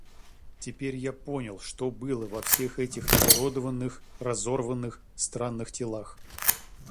Теперь я понял, что было во всех этих изуродованных, разорванных, странных телах.